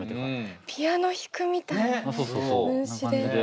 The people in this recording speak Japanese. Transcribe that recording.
ピアノ弾くみたいにね運指で。